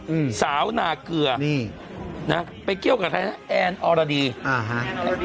อืมสาวนาเกลือนี่นะไปเกี่ยวกับใครฮะแอนอรดีอ่าฮะ